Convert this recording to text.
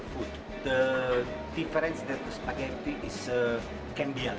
perbedaan spagetti adalah kandian